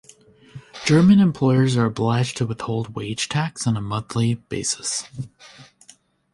German employers are obliged to withhold wage tax on a monthly basis.